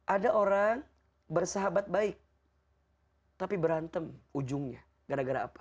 ada orang bersahabat baik tapi berantem ujungnya gara gara apa